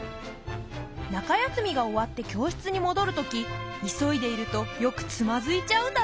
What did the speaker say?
中休みが終わって教室にもどるとき急いでいるとよくつまずいちゃうんだって。